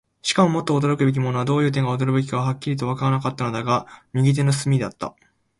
しかし、もっと驚くべきものは、どういう点が驚くべきかははっきりとはわからなかったのだが、右手の隅であった。